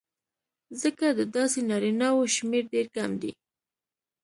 ځکه د داسې نارینهوو شمېر ډېر کم دی